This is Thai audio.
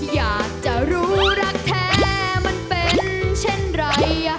อยากจะรู้รักแท้มันเป็นเช่นไร